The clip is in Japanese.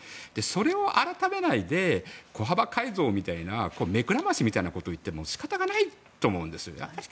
それを改めないで小幅改造みたいな目くらましみたいなことを言っても仕方がないと思うんです。